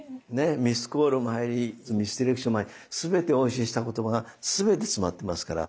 ミスコールも入りミスディレクションもあり全てお教えした言葉が全て詰まってますから。